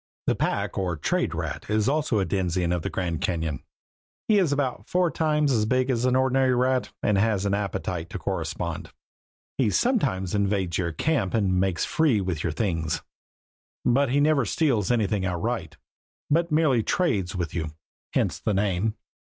The pack or trade rat is also a denizen of the Grand Cañon. He is about four times as big as an ordinary rat and has an appetite to correspond. He sometimes invades your camp and makes free with your things, but he never steals anything outright he merely trades with you; hence his name.